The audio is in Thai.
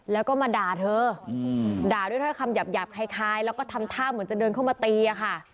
แล้วก็มาด่าเธอด่าด้วยถ้อยคำหยาบคล้ายแล้วก็ทำท่าเหมือนจะเดินเข้ามาตีอะค่ะ